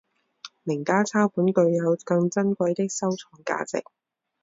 名家抄本具有更珍贵的收藏价值。